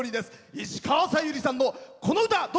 石川さゆりさんの、この歌。